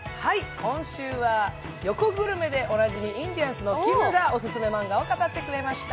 今週は横グルメでおなじみ、インディアンスのきむがオススメマンガを語ってくれました。